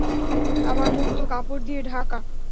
আমার মুখ তো কাপড় দিয়ে ঢাকা!